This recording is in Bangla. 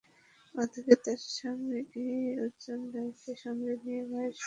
মাধবী তাঁর স্বামী অর্জুন রায়কে সঙ্গে নিয়ে মায়ের সঙ্গে দেখা করতে আসেন।